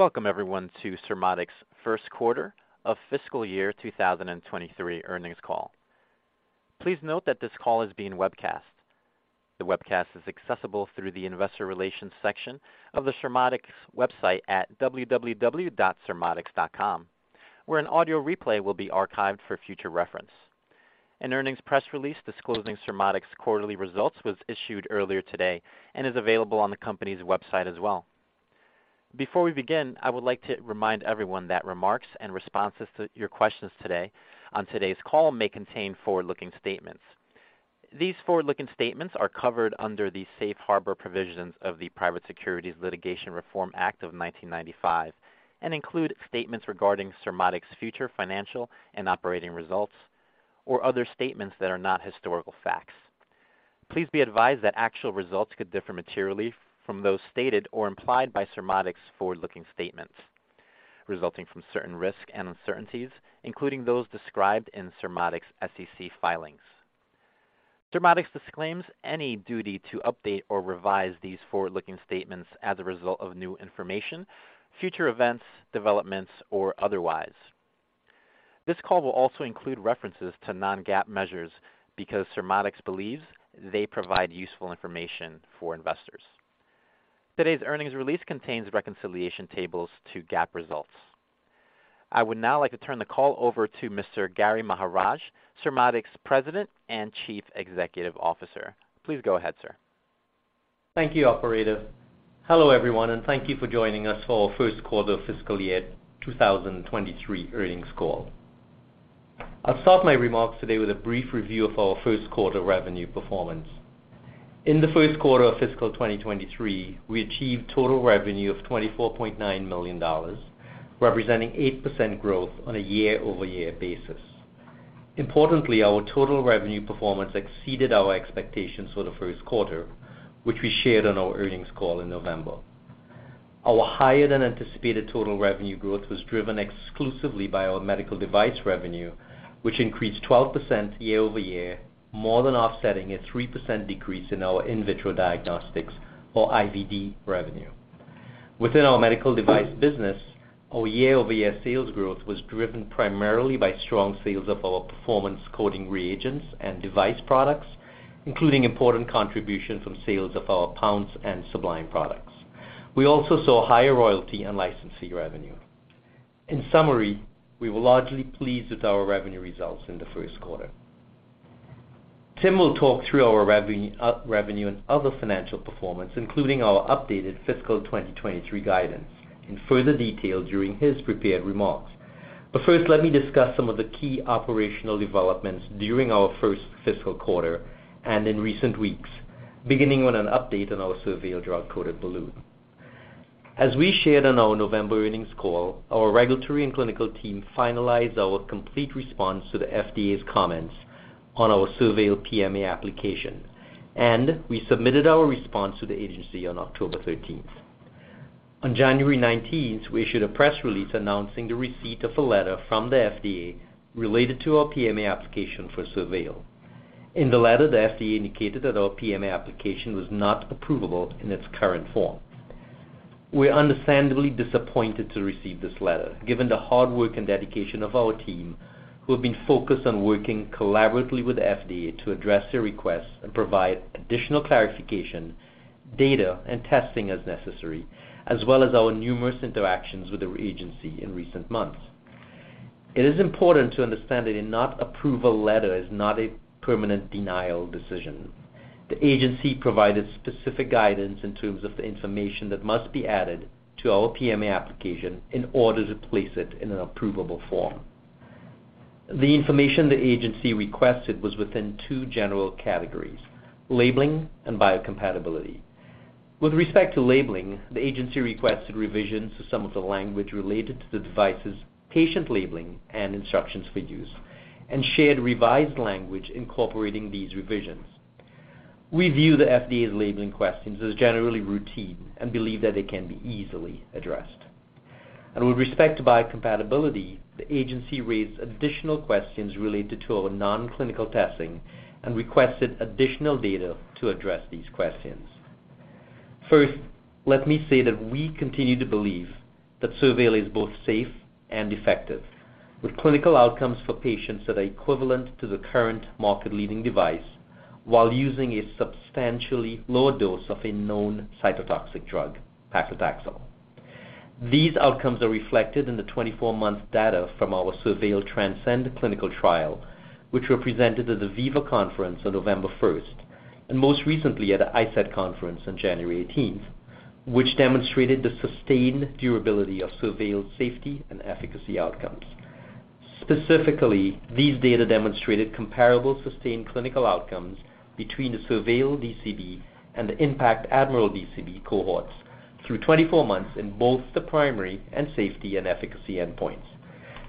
Welcome everyone to Surmodics first quarter of Fiscal Year 2023 Earnings Call. Please note that this call is being webcast. The webcast is accessible through the investor relations section of the Surmodics website at www.surmodics.com, where an audio replay will be archived for future reference. An earnings press release disclosing Surmodics quarterly results was issued earlier today and is available on the company's website as well. Before we begin, I would like to remind everyone that remarks and responses to your questions today on today's call may contain forward-looking statements. These forward-looking statements are covered under the Safe Harbor provisions of the Private Securities Litigation Reform Act of 1995 and include statements regarding Surmodics future financial and operating results or other statements that are not historical facts. Please be advised that actual results could differ materially from those stated or implied by Surmodics forward-looking statements resulting from certain risk and uncertainties, including those described in Surmodics SEC filings. Surmodics disclaims any duty to update or revise these forward-looking statements as a result of new information, future events, developments, or otherwise. This call will also include references to non-GAAP measures because Surmodics believes they provide useful information for investors. Today's earnings release contains reconciliation tables to GAAP results. I would now like to turn the call over to Mr. Gary Maharaj, Surmodics President and Chief Executive Officer. Please go ahead, sir. Thank you, operator. Hello, everyone. Thank you for joining us for our first quarter Fiscal Year 2023 Earnings Call. I'll start my remarks today with a brief review of our first quarter revenue performance. In the first quarter of fiscal 2023, we achieved total revenue of $24.9 million, representing 8% growth on a year-over-year basis. Importantly, our total revenue performance exceeded our expectations for the first quarter, which we shared on our earnings call in November. Our higher than anticipated total revenue growth was driven exclusively by our medical device revenue, which increased 12% year-over-year, more than offsetting a 3% decrease in our In Vitro Diagnostics or IVD revenue. Within our medical device business, our year-over-year sales growth was driven primarily by strong sales of our performance coating reagents and device products, including important contributions from sales of our Pounce and Sublime products. We also saw higher royalty and licensing revenue. We were largely pleased with our revenue results in the first quarter. Tim will talk through our revenue and other financial performance, including our updated fiscal 2023 guidance in further detail during his prepared remarks. Let me discuss some of the key operational developments during our first fiscal quarter and in recent weeks, beginning with an update on our SurVeil Drug-Coated Balloon. As we shared on our November earnings call, our regulatory and clinical team finalized our complete response to the FDA's comments on our SurVeil PMA application. We submitted our response to the agency on October thirteenth. On January nineteenth, we issued a press release announcing the receipt of a letter from the FDA related to our PMA application for SurVeil. In the letter, the FDA indicated that our PMA application was not approvable in its current form. We're understandably disappointed to receive this letter, given the hard work and dedication of our team who have been focused on working collaboratively with the FDA to address their requests and provide additional clarification, data, and testing as necessary, as well as our numerous interactions with the agency in recent months. It is important to understand that a not approval letter is not a permanent denial decision. The agency provided specific guidance in terms of the information that must be added to our PMA application in order to place it in an approvable form. The information the agency requested was within two general categories: labeling and biocompatibility. With respect to labeling, the agency requested revisions to some of the language related to the device's patient labeling and instructions for use and shared revised language incorporating these revisions. We view the FDA's labeling questions as generally routine and believe that they can be easily addressed. With respect to biocompatibility, the agency raised additional questions related to our non-clinical testing and requested additional data to address these questions. First, let me say that we continue to believe that SurVeil is both safe and effective, with clinical outcomes for patients that are equivalent to the current market-leading device while using a substantially lower dose of a known cytotoxic drug, paclitaxel. These outcomes are reflected in the 24 month data from our SurVeil TRANSCEND Clinical Trial, which were presented at the VIVA Conference on November 1st, and most recently at the ISAT conference on January 18th, which demonstrated the sustained durability of SurVeil's safety and efficacy outcomes. Specifically, these data demonstrated comparable sustained clinical outcomes between the SurVeil DCB and the IN.PACT Admiral DCB cohorts through 24 months in both the primary and safety and efficacy endpoints.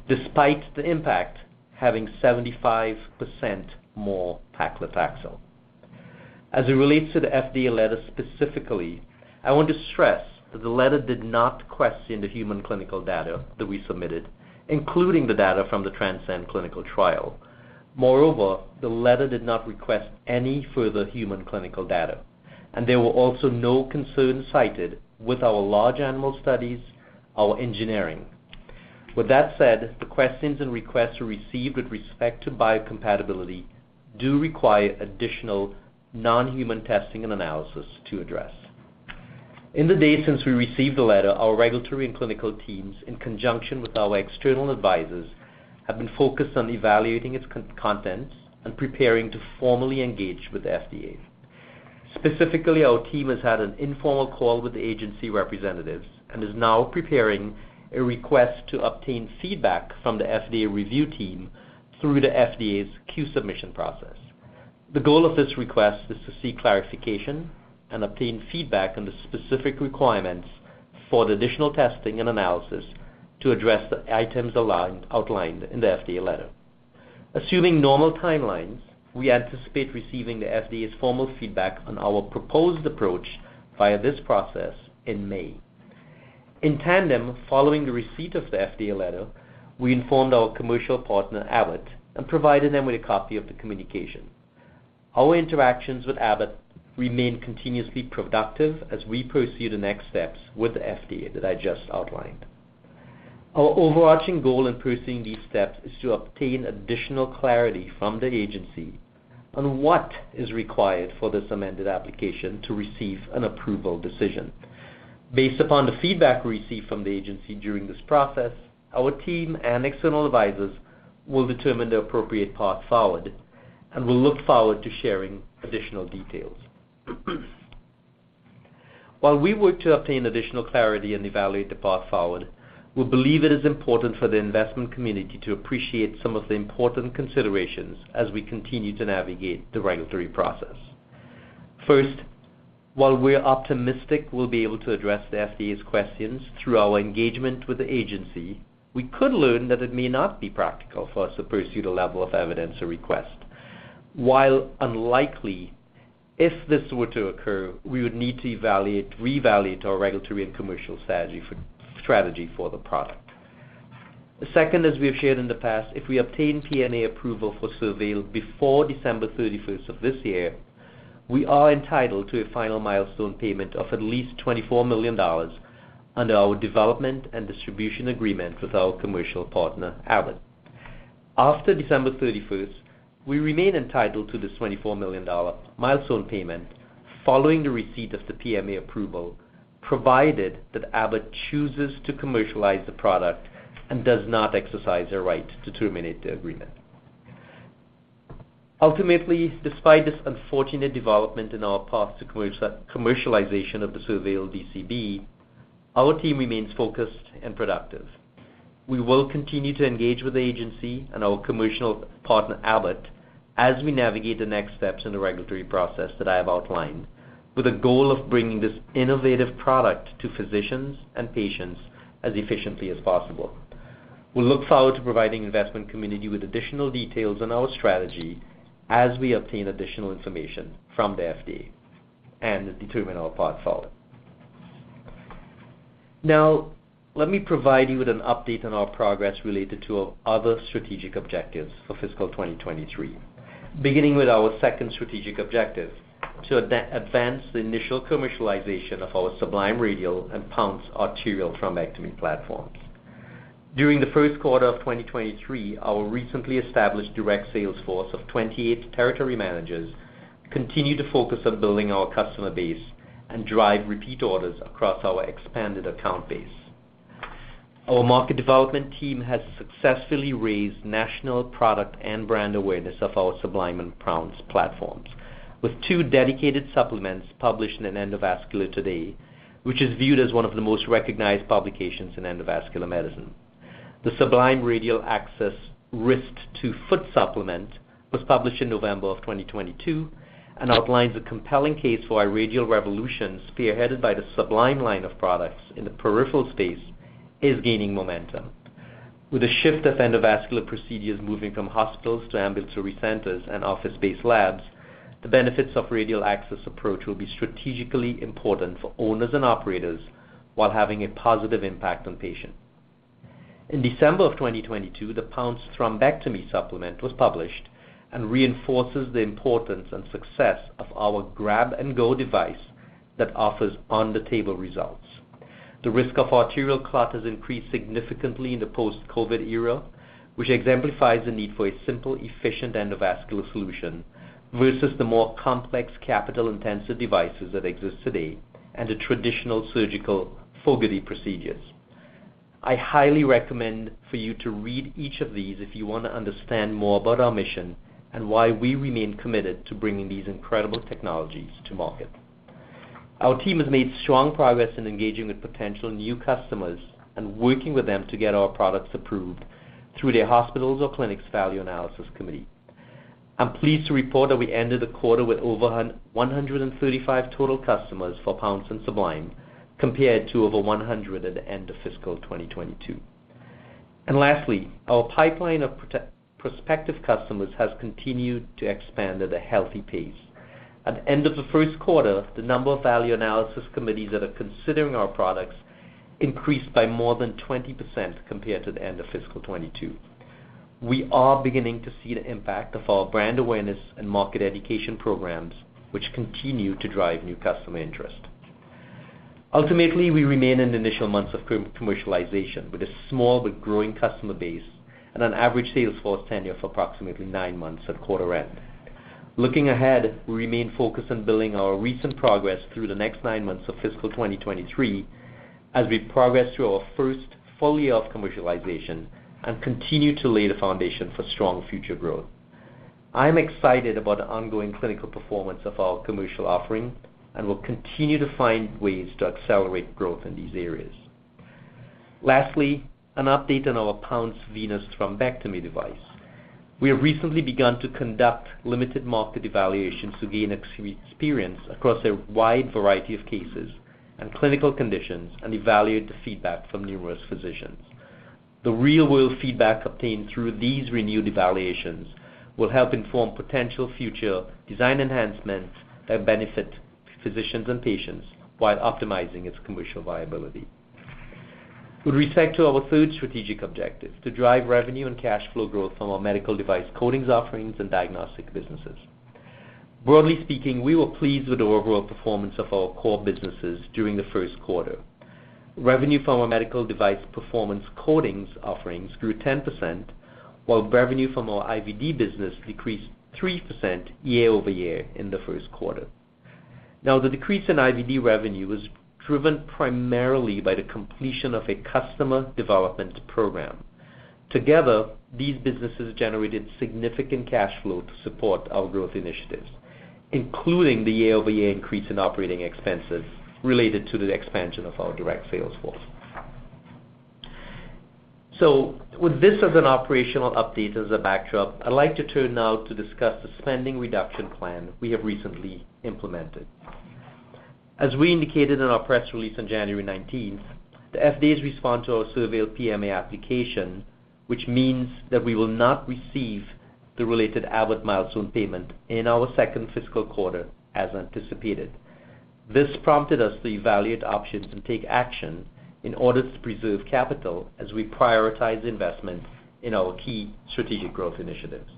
Despite the impact having 75% more Paclitaxel. As it relates to the FDA letter specifically, I want to stress that the letter did not question the human clinical data that we submitted, including the data from the TRANSCEND clinical trial. Moreover, the letter did not request any further human clinical data, and there were also no concerns cited with our large animal studies, our engineering. With that said, the questions and requests received with respect to biocompatibility do require additional non-human testing and analysis to address. In the days since we received the letter, our regulatory and clinical teams, in conjunction with our external advisors, have been focused on evaluating its contents and preparing to formally engage with the FDA. Specifically, our team has had an informal call with the agency representatives and is now preparing a request to obtain feedback from the FDA review team through the FDA's Q-Submission process. The goal of this request is to seek clarification and obtain feedback on the specific requirements for the additional testing and analysis to address the items outlined in the FDA letter. Assuming normal timelines, we anticipate receiving the FDA's formal feedback on our proposed approach via this process in May. In tandem, following the receipt of the FDA letter, we informed our commercial partner, Abbott, and provided them with a copy of the communication. Our interactions with Abbott remain continuously productive as we pursue the next steps with the FDA that I just outlined. Our overarching goal in pursuing these steps is to obtain additional clarity from the agency on what is required for this amended application to receive an approval decision. Based upon the feedback we receive from the agency during this process, our team and external advisors will determine the appropriate path forward, and we look forward to sharing additional details. While we work to obtain additional clarity and evaluate the path forward, we believe it is important for the investment community to appreciate some of the important considerations as we continue to navigate the regulatory process. While we're optimistic we'll be able to address the FDA's questions through our engagement with the agency, we could learn that it may not be practical for us to pursue the level of evidence or request. While unlikely, if this were to occur, we would need to reevaluate our regulatory and commercial strategy for the product. As we have shared in the past, if we obtain PMA approval for SurVeil before December 31st of this year, we are entitled to a final milestone payment of at least $24 million under our development and distribution agreement with our commercial partner, Abbott. After December 31st, we remain entitled to this $24 million milestone payment following the receipt of the PMA approval, provided that Abbott chooses to commercialize the product and does not exercise their right to terminate the agreement. Ultimately, despite this unfortunate development in our path to commercialization of the SurVeil DCB, our team remains focused and productive. We will continue to engage with the agency and our commercial partner, Abbott, as we navigate the next steps in the regulatory process that I have outlined, with the goal of bringing this innovative product to physicians and patients as efficiently as possible. We look forward to providing investment community with additional details on our strategy as we obtain additional information from the FDA and determine our path forward. Let me provide you with an update on our progress related to our other strategic objectives for fiscal 2023, beginning with our second strategic objective, to advance the initial commercialization of our Sublime Radial and Pounce Arterial Thrombectomy platforms. During the first quarter of 2023, our recently established direct sales force of 28 territory managers continued to focus on building our customer base and drive repeat orders across our expanded account base. Our market development team has successfully raised national product and brand awareness of our Sublime and Pounce platforms, with two dedicated supplements published in Endovascular Today, which is viewed as one of the most recognized publications in endovascular medicine. The Sublime Radial Access Wrist to Foot supplement was published in November of 2022 and outlines a compelling case for our radial revolution, spearheaded by the Sublime line of products in the peripheral space is gaining momentum. With a shift of endovascular procedures moving from hospitals to ambulatory centers and office-based labs, the benefits of radial access approach will be strategically important for owners and operators while having a positive impact on patients. In December of 2022, the Pounce Thrombectomy supplement was published and reinforces the importance and success of our grab and go device that offers on-the-table results. The risk of arterial clot has increased significantly in the post-COVID era, which exemplifies the need for a simple, efficient endovascular solution versus the more complex capital-intensive devices that exist today and the traditional surgical Fogarty procedures. I highly recommend for you to read each of these if you wanna understand more about our mission and why we remain committed to bringing these incredible technologies to market. Our team has made strong progress in engaging with potential new customers and working with them to get our products approved through their hospitals or clinics Value Analysis Committee. I'm pleased to report that we ended the quarter with over 135 total customers for Pounce and Sublime, compared to over 100 at the end of fiscal 2022. Lastly, our pipeline of prospective customers has continued to expand at a healthy pace. At the end of the first quarter, the number of Value Analysis Committees that are considering our products increased by more than 20% compared to the end of fiscal 2022. We are beginning to see the impact of our brand awareness and market education programs, which continue to drive new customer interest. Ultimately, we remain in the initial months of commercialization with a small but growing customer base and an average sales force tenure of approximately nine months at quarter end. Looking ahead, we remain focused on building our recent progress through the next nine months of fiscal 2023 as we progress through our first full year of commercialization and continue to lay the foundation for strong future growth. I'm excited about the ongoing clinical performance of our commercial offering, and we'll continue to find ways to accelerate growth in these areas. An update on our Pounce Venous thrombectomy device. We have recently begun to conduct limited market evaluations to gain experience across a wide variety of cases and clinical conditions and evaluate the feedback from numerous physicians. The real-world feedback obtained through these renewed evaluations will help inform potential future design enhancements that benefit physicians and patients while optimizing its commercial viability. With respect to our third strategic objective, to drive revenue and cash flow growth from our medical device coatings offerings and diagnostic businesses. Broadly speaking, we were pleased with the overall performance of our core businesses during the first quarter. Revenue from our medical device performance coatings offerings grew 10%, while revenue from our IVD business decreased 3% year-over-year in the first quarter. Now, the decrease in IVD revenue was driven primarily by the completion of a customer development program. Together, these businesses generated significant cash flow to support our growth initiatives, including the year-over-year increase in operating expenses related to the expansion of our direct sales force. With this as an operational update as a backdrop, I'd like to turn now to discuss the spending reduction plan we have recently implemented. As we indicated in our press release on January 19th, the FDA's response to our SurVeil PMA application, which means that we will not receive the related Abbott milestone payment in our second fiscal quarter as anticipated. This prompted us to evaluate options and take action in order to preserve capital as we prioritize investments in our key strategic growth initiatives.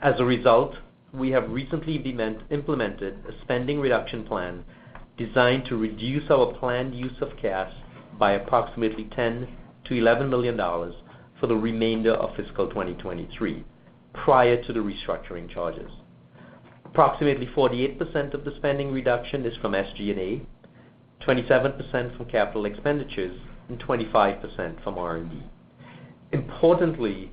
As a result, we have recently implemented a spending reduction plan designed to reduce our planned use of cash by approximately $10 million-$11 million for the remainder of fiscal 2023, prior to the restructuring charges. Approximately 48% of the spending reduction is from SG&A, 27% from capital expenditures, and 25% from R&D. Importantly,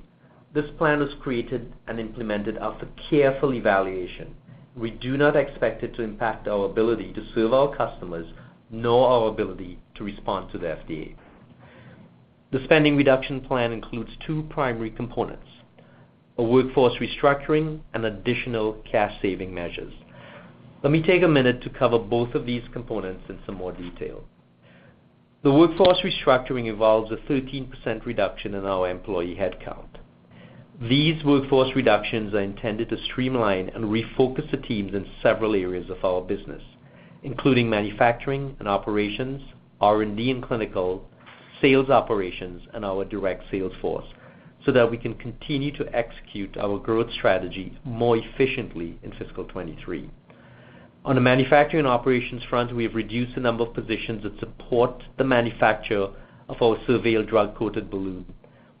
this plan was created and implemented after careful evaluation. We do not expect it to impact our ability to serve our customers nor our ability to respond to the FDA. The spending reduction plan includes two primary components, a workforce restructuring and additional cash saving measures. Let me take a minute to cover both of these components in some more detail. The workforce restructuring involves a 13% reduction in our employee headcount. These workforce reductions are intended to streamline and refocus the teams in several areas of our business, including manufacturing and operations, R&D and clinical, sales operations, and our direct sales force, that we can continue to execute our growth strategy more efficiently in fiscal 2023. On the manufacturing operations front, we have reduced the number of positions that support the manufacture of our SurVeil drug-coated balloon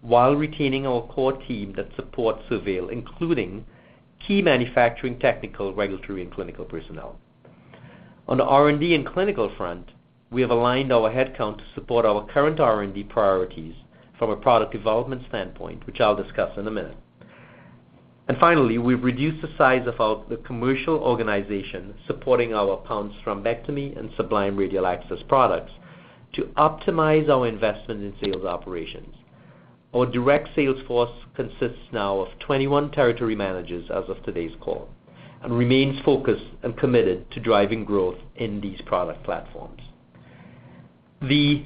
while retaining our core team that supports SurVeil, including key manufacturing, technical, regulatory, and clinical personnel. On the R&D and clinical front, we have aligned our headcount to support our current R&D priorities from a product development standpoint, which I'll discuss in a minute. Finally, we've reduced the size of the commercial organization supporting our Pounce thrombectomy and Sublime radial access products to optimize our investment in sales operations. Our direct sales force consists now of 21 territory managers as of today's call and remains focused and committed to driving growth in these product platforms. The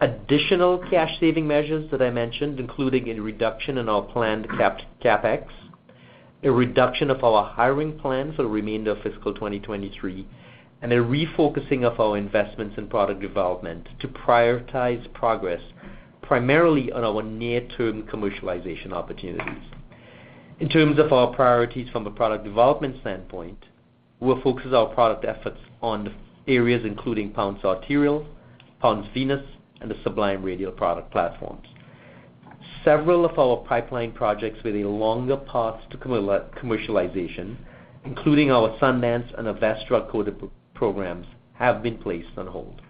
additional cash saving measures that I mentioned, including a reduction in our planned CapEx, a reduction of our hiring plans for the remainder of fiscal 2023, and a refocusing of our investments in product development to prioritize progress primarily on our near-term commercialization opportunities. In terms of our priorities from a product development standpoint, we'll focus our product efforts on the areas including Pounce Arterial, Pounce Venous, and the Sublime Radial product platforms. Several of our pipeline projects with a longer path to commercialization, including our Sundance and Avess coated programs, have been placed on hold.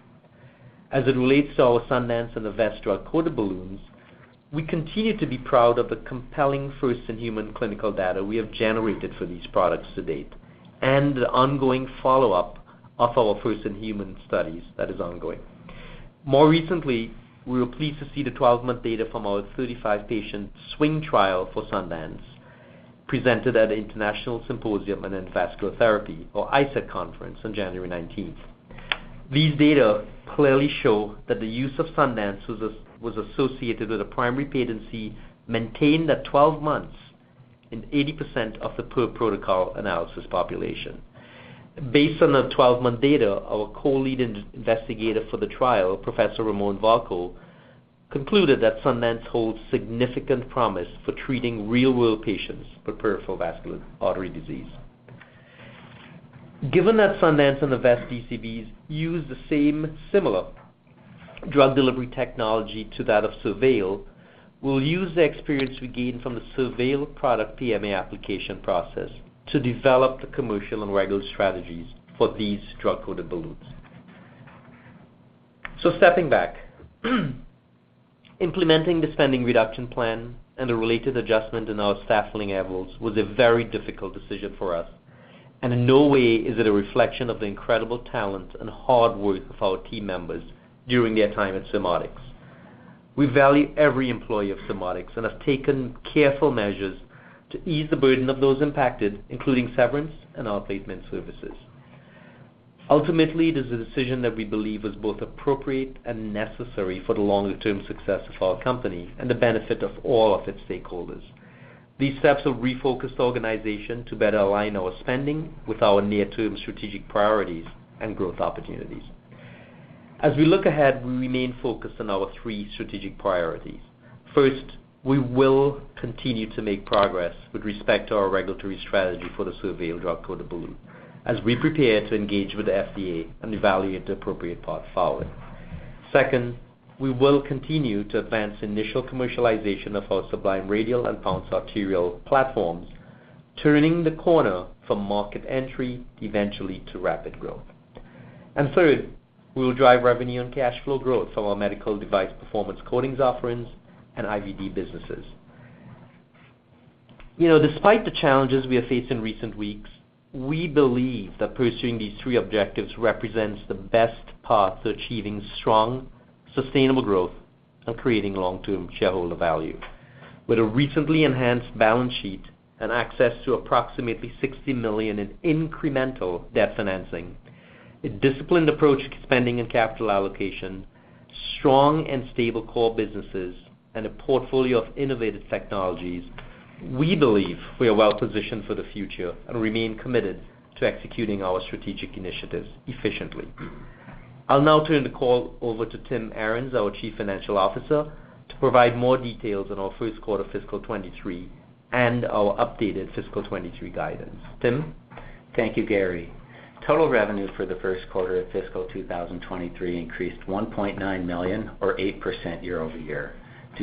As it relates to our Sundance and Avess coated balloons, we continue to be proud of the compelling first-in-human clinical data we have generated for these products to date and the ongoing follow-up of our first-in-human studies that is ongoing. More recently, we were pleased to see the 12-month data from our 35-patient SWING Trial for Sundance presented at the International Symposium on Endovascular Therapy, or ISET conference on January 19th. These data clearly show that the use of Sundance was associated with a primary patency maintained at 12 months in 80% of the per-protocol analysis population. Based on the 12-month data, our co-lead investigator for the trial, Professor Ramon Varcoe, concluded that Sundance holds significant promise for treating real-world patients with peripheral vascular artery disease. Given that Sundance and the Avess DCBs use the same similar drug delivery technology to that of SurVeil, we'll use the experience we gained from the SurVeil product PMA application process to develop the commercial and regulatory strategies for these drug-coated balloons. Stepping back, implementing the spending reduction plan and the related adjustment in our staffing levels was a very difficult decision for us, and in no way is it a reflection of the incredible talent and hard work of our team members during their time at Surmodics. We value every employee of Surmodics and have taken careful measures to ease the burden of those impacted, including severance and outplacement services. Ultimately, it is a decision that we believe is both appropriate and necessary for the longer-term success of our company and the benefit of all of its stakeholders. These steps have refocused the organization to better align our spending with our near-term strategic priorities and growth opportunities. As we look ahead, we remain focused on our three strategic priorities. First, we will continue to make progress with respect to our regulatory strategy for the SurVeil drug-coated balloon as we prepare to engage with the FDA and evaluate the appropriate path forward. Second, we will continue to advance initial commercialization of our Sublime Radial and Pounce Arterial platforms, turning the corner from market entry eventually to rapid growth. Third, we will drive revenue and cash flow growth from our medical device performance coatings offerings and IVD businesses. You know, despite the challenges we have faced in recent weeks, we believe that pursuing these three objectives represents the best path to achieving strong, sustainable growth and creating long-term shareholder value. With a recently enhanced balance sheet and access to approximately $60 million in incremental debt financing, a disciplined approach to spending and capital allocation, strong and stable core businesses, and a portfolio of innovative technologies, we believe we are well positioned for the future and remain committed to executing our strategic initiatives efficiently. I'll now turn the call over to Tim Arens, our Chief Financial Officer, to provide more details on our first quarter fiscal 2023 and our updated fiscal 2023 guidance. Tim? Thank you, Gary. Total revenue for the first quarter of fiscal 2023 increased $1.9 million or 8% year-over-year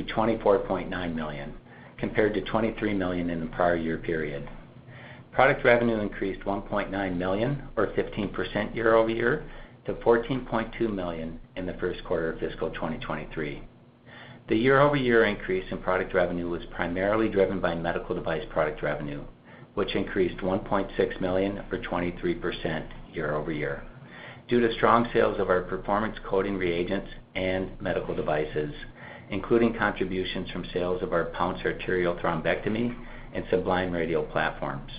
to $24.9 million, compared to $23 million in the prior year period. Product revenue increased $1.9 million or 15% year-over-year to $14.2 million in the first quarter of fiscal 2023. The year-over-year increase in product revenue was primarily driven by medical device product revenue, which increased $1.6 million or 23% year-over-year due to strong sales of our performance coating reagents and medical devices, including contributions from sales of our Pounce Arterial Thrombectomy and Sublime Radial platforms.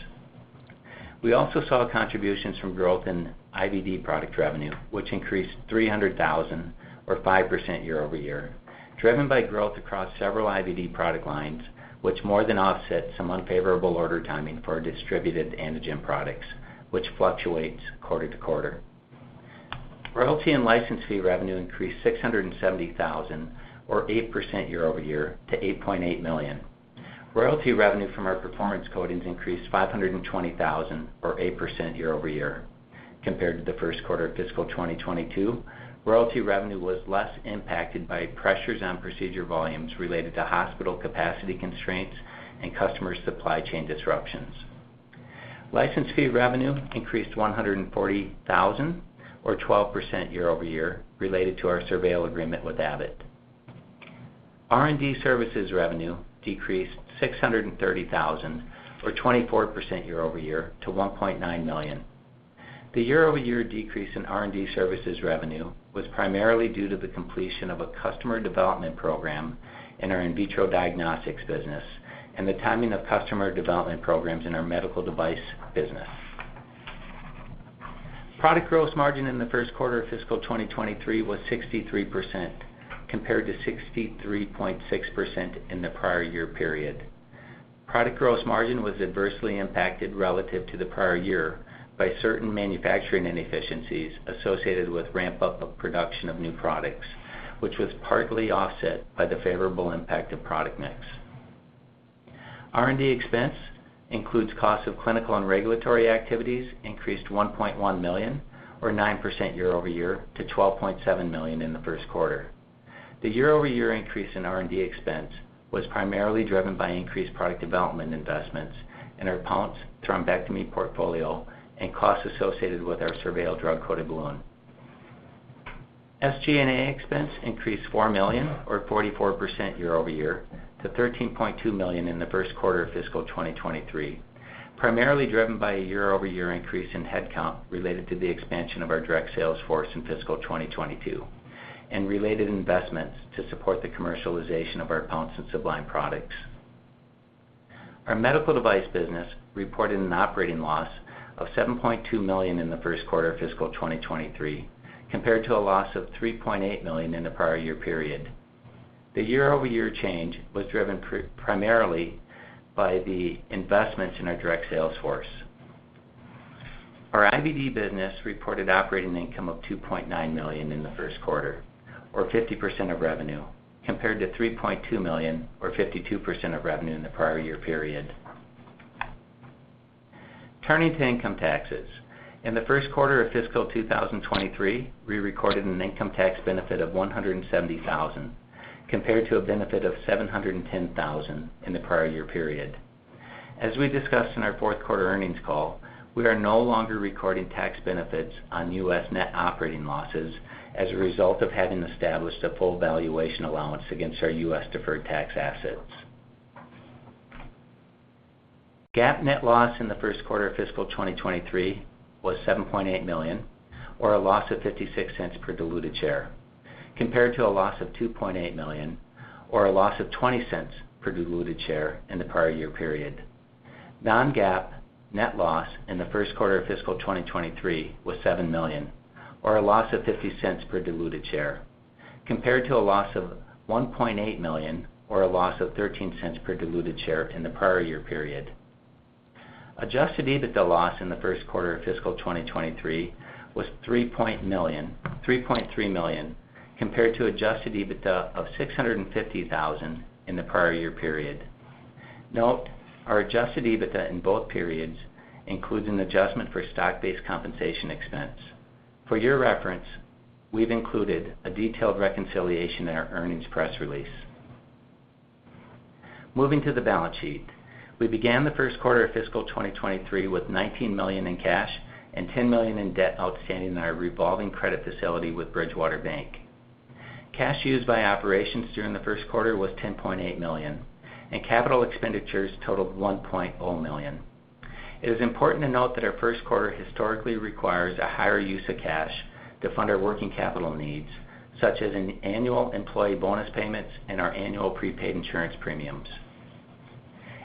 We also saw contributions from growth in IVD product revenue, which increased $300,000 or 5% year-over-year, driven by growth across several IVD product lines, which more than offset some unfavorable order timing for our distributed antigen products, which fluctuates quarter-to-quarter. Royalty and license fee revenue increased $670,000 or 8% year-over-year to $8.8 million. Royalty revenue from our performance coatings increased $520,000 or 8% year-over-year. Compared to the first quarter of fiscal 2022, royalty revenue was less impacted by pressures on procedure volumes related to hospital capacity constraints and customer supply chain disruptions. License fee revenue increased $140,000 or 12% year-over-year related to our SurVeil agreement with Abbott. R&D services revenue decreased $630,000 or 24% year-over-year to $1.9 million. The year-over-year decrease in R&D services revenue was primarily due to the completion of a customer development program in our in vitro diagnostics business and the timing of customer development programs in our medical device business. Product gross margin in the first quarter of fiscal 2023 was 63%, compared to 63.6% in the prior year period. Product gross margin was adversely impacted relative to the prior year by certain manufacturing inefficiencies associated with ramp-up of production of new products, which was partly offset by the favorable impact of product mix. R&D expense includes cost of clinical and regulatory activities increased $1.1 million or 9% year-over-year to $12.7 million in the first quarter. The year-over-year increase in R&D expense was primarily driven by increased product development investments in our Pounce thrombectomy portfolio and costs associated with our SurVeil drug-coated balloon. SG&A expense increased $4 million or 44% year-over-year to $13.2 million in the first quarter of fiscal 2023. Primarily driven by a year-over-year increase in headcount related to the expansion of our direct sales force in fiscal 2022 and related investments to support the commercialization of our Pounce and Sublime products. Our medical device business reported an operating loss of $7.2 million in the first quarter of fiscal 2023, compared to a loss of $3.8 million in the prior year period. The year-over-year change was driven primarily by the investments in our direct sales force. Our IVD business reported operating income of $2.9 million in the first quarter, or 50% of revenue, compared to $3.2 million, or 52% of revenue in the prior year period. Turning to income taxes. In the first quarter of fiscal 2023, we recorded an income tax benefit of $170,000, compared to a benefit of $710,000 in the prior year period. As we discussed in our Q4 earnings call, we are no longer recording tax benefits on U.S. net operating losses as a result of having established a full valuation allowance against our U.S. deferred tax assets. GAAP net loss in the first quarter of fiscal 2023 was $7.8 million, or a loss of $0.56 per diluted share, compared to a loss of $2.8 million, or a loss of $0.20 per diluted share in the prior year period. non-GAAP net loss in the first quarter of fiscal 2023 was $7 million, or a loss of $0.50 per diluted share, compared to a loss of $1.8 million, or a loss of $0.13 per diluted share in the prior year period. Adjusted EBITDA loss in the first quarter of fiscal 2023 was $3.3 million, compared to adjusted EBITDA of $650,000 in the prior year period. Note, our adjusted EBITDA in both periods includes an adjustment for stock-based compensation expense. For your reference, we've included a detailed reconciliation in our earnings press release. Moving to the balance sheet. We began the first quarter of fiscal 2023 with $19 million in cash and $10 million in debt outstanding in our revolving credit facility with Bridgewater Bank. Cash used by operations during the first quarter was $10.8 million, and capital expenditures totaled $1.0 million. It is important to note that our first quarter historically requires a higher use of cash to fund our working capital needs, such as annual employee bonus payments and our annual prepaid insurance premiums.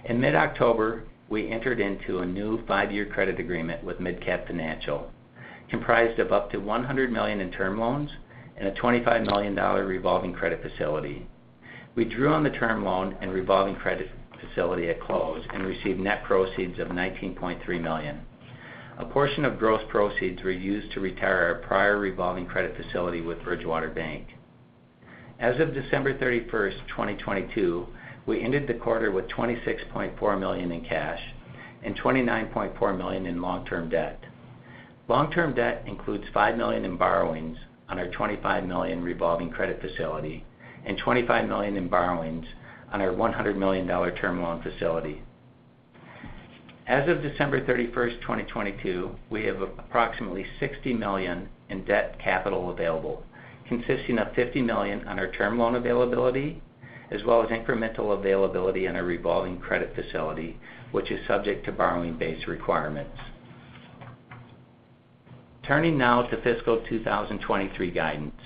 In mid-October, we entered into a new five-year credit agreement with MidCap Financial, comprised of up to $100 million in term loans and a $25 million dollar revolving credit facility. We drew on the term loan and revolving credit facility at close and received net proceeds of $19.3 million. A portion of gross proceeds were used to retire our prior revolving credit facility with Bridgewater Bank. As of December 31st, 2022, we ended the quarter with $26.4 million in cash and $29.4 million in long-term debt. Long-term debt includes $5 million in borrowings on our $25 million revolving credit facility and $25 million in borrowings on our $100 million term loan facility. As of December 31st, 2022, we have approximately $60 million in debt capital available, consisting of $50 million on our term loan availability, as well as incremental availability on our revolving credit facility, which is subject to borrowing base requirements. Turning now to fiscal 2023 guidance.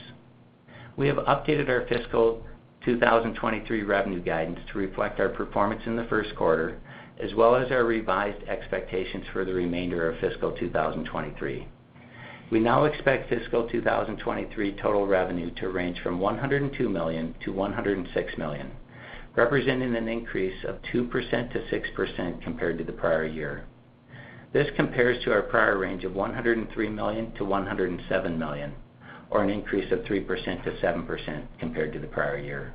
We have updated our fiscal 2023 revenue guidance to reflect our performance in the first quarter, as well as our revised expectations for the remainder of fiscal 2023. We now expect fiscal 2023 total revenue to range from $102 million-$106 million, representing an increase of 2%-6% compared to the prior year. This compares to our prior range of $103 million-$107 million, or an increase of 3%-7% compared to the prior year.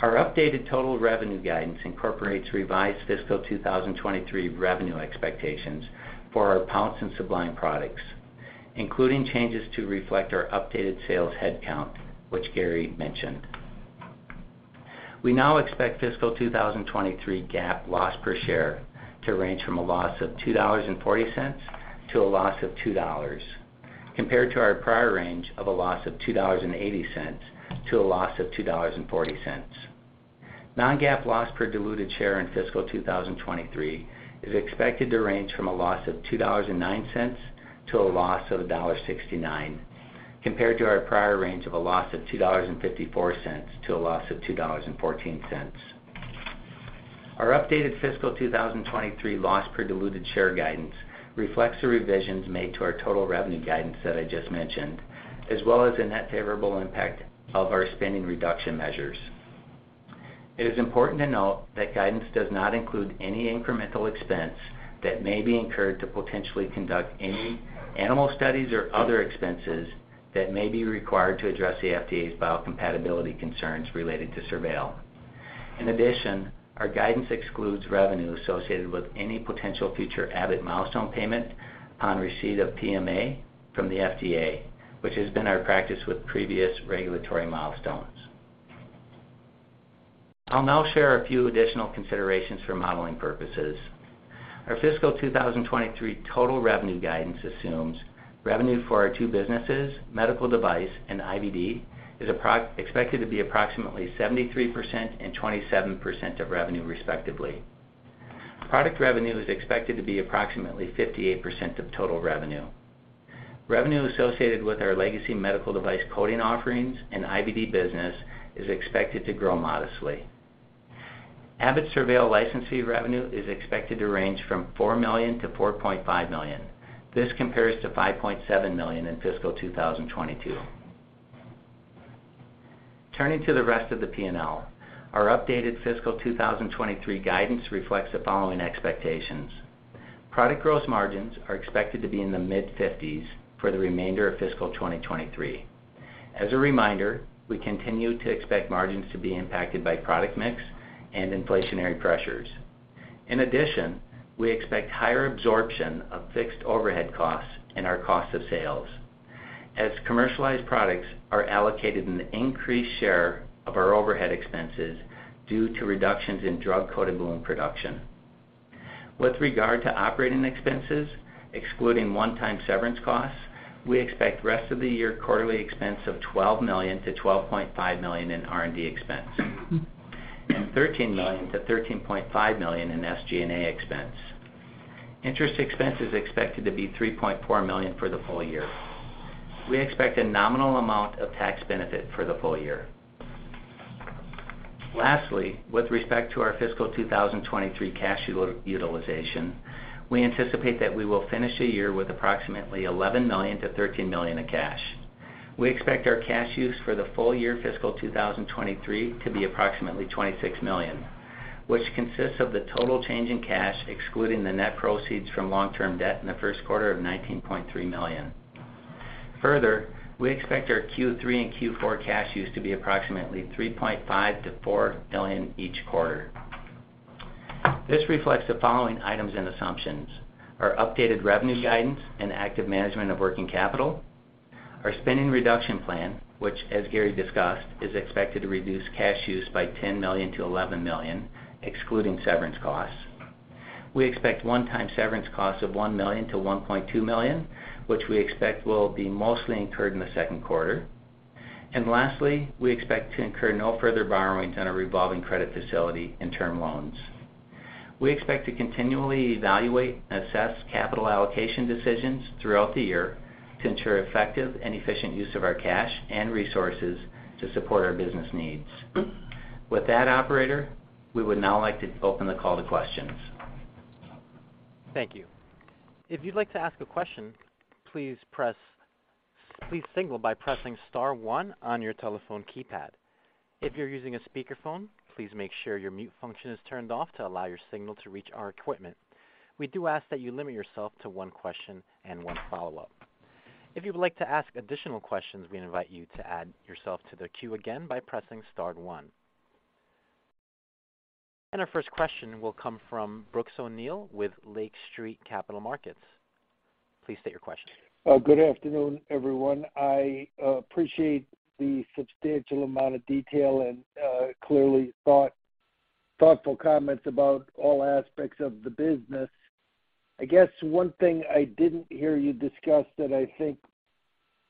Our updated total revenue guidance incorporates revised fiscal 2023 revenue expectations for our Pounce and Sublime products, including changes to reflect our updated sales headcount, which Gary mentioned. We now expect fiscal 2023 GAAP loss per share to range from a loss of $2.40 to a loss of $2.00, compared to our prior range of a loss of $2.80 to a loss of $2.40. Non-GAAP loss per diluted share in fiscal 2023 is expected to range from a loss of $2.09 to a loss of $1.69, compared to our prior range of a loss of $2.54 to a loss of $2.14. Our updated fiscal 2023 loss per diluted share guidance reflects the revisions made to our total revenue guidance that I just mentioned, as well as the net favorable impact of our spending reduction measures. It is important to note that guidance does not include any incremental expense that may be incurred to potentially conduct any animal studies or other expenses that may be required to address the FDA's biocompatibility concerns related to SurVeil. In addition, our guidance excludes revenue associated with any potential future Abbott milestone payment upon receipt of PMA from the FDA, which has been our practice with previous regulatory milestones. I'll now share a few additional considerations for modeling purposes. Our fiscal 2023 total revenue guidance assumes revenue for our two businesses, Medical Device and IVD, is expected to be approximately 73% and 27% of revenue, respectively. Product revenue is expected to be approximately 58% of total revenue. Revenue associated with our legacy medical device coding offerings and IVD business is expected to grow modestly. Abbott SurVeil license fee revenue is expected to range from $4 million-$4.5 million. This compares to $5.7 million in fiscal 2022. Turning to the rest of the P&L, our updated fiscal 2023 guidance reflects the following expectations. Product gross margins are expected to be in the mid-50s% for the remainder of fiscal 2023. As a reminder, we continue to expect margins to be impacted by product mix and inflationary pressures. We expect higher absorption of fixed overhead costs in our cost of sales as commercialized products are allocated an increased share of our overhead expenses due to reductions in drug-coated balloon production. With regard to operating expenses, excluding one-time severance costs, we expect rest of the year quarterly expense of $12 million-$12.5 million in R&D expense and $13 million-$13.5 million in SG&A expense. Interest expense is expected to be $3.4 million for the full year. We expect a nominal amount of tax benefit for the full year. Lastly, with respect to our fiscal 2023 cash utilization, we anticipate that we will finish the year with approximately $11 million-$13 million in cash. We expect our cash use for the full year fiscal 2023 to be approximately $26 million, which consists of the total change in cash, excluding the net proceeds from long-term debt in the first quarter of $19.3 million. Further, we expect our Q3 and Q4 cash use to be approximately $3.5 million-$4 million each quarter. This reflects the following items and assumptions. Our updated revenue guidance and active management of working capital. Our spending reduction plan, which as Gary discussed, is expected to reduce cash use by $10 million-$11 million, excluding severance costs. We expect one-time severance costs of $1 million-$1.2 million, which we expect will be mostly incurred in the second quarter. Lastly, we expect to incur no further borrowings on our revolving credit facility and term loans. We expect to continually evaluate and assess capital allocation decisions throughout the year to ensure effective and efficient use of our cash and resources to support our business needs. With that, operator, we would now like to open the call to questions. Thank you. If you'd like to ask a question, please signal by pressing star one on your telephone keypad. If you're using a speakerphone, please make sure your mute function is turned off to allow your signal to reach our equipment. We do ask that you limit yourself to one question and one follow-up. If you would like to ask additional questions, we invite you to add yourself to the queue again by pressing star one. Our first question will come from Brooks O'Neil with Lake Street Capital Markets. Please state your question. Good afternoon, everyone. I appreciate the substantial amount of detail and clearly thoughtful comments about all aspects of the business. I guess one thing I didn't hear you discuss that I think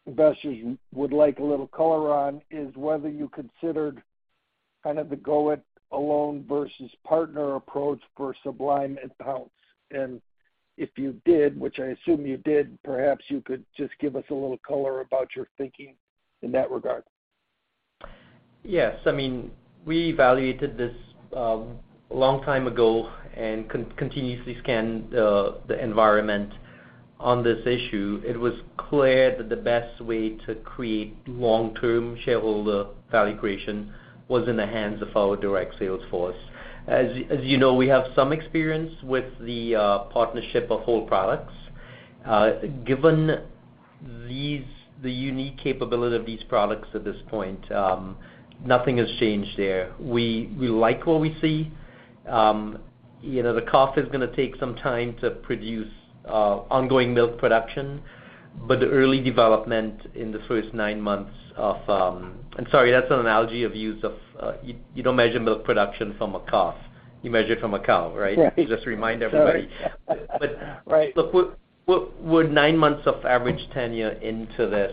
investors would like a little color on is whether you considered kind of the go it alone versus partner approach for Sublime and Pounce. If you did, which I assume you did, perhaps you could just give us a little color about your thinking in that regard. Yes. I mean, we evaluated this a long time ago and continuously scanned the environment on this issue. It was clear that the best way to create long-term shareholder value creation was in the hands of our direct sales force. As you know, we have some experience with the partnership of whole products. Given the unique capability of these products at this point, nothing has changed there. We like what we see. You know, the calf is gonna take some time to produce ongoing milk production. The early development in the first nine months of... I'm sorry, that's an analogy of use of, you don't measure milk production from a calf, you measure it from a cow, right? Yeah. Just remind everybody. Sorry. Right. Look, we're nine months of average tenure into this.